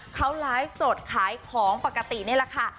เขาไลฟ์สดขายของปกตินี่แหละค่ะ